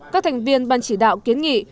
các thành viên ban chỉ đạo kiến nghị